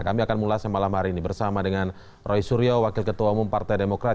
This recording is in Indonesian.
kami akan mulasnya malam hari ini bersama dengan roy suryo wakil ketua umum partai demokrat